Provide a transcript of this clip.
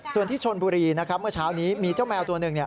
ส่วนที่ชนบุรีนะครับเมื่อเช้านี้มีเจ้าแมวตัวหนึ่ง